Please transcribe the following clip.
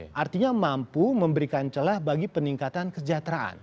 dan dia mampu memberikan celah bagi peningkatan kesejahteraan